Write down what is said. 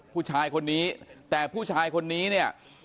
ผู้ชายคนนี้แต่ผู้ชายคนนี้เนี่ย